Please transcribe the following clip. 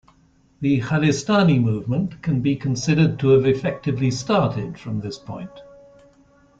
The Khalistani movement can be considered to have effectively started from this point.